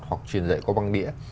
hoặc truyền dạy qua băng đĩa